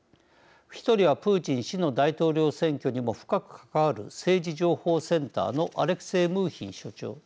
１人はプーチン氏の大統領選挙にも深く関わる政治情報センターのアレクセイ・ムーヒン所長。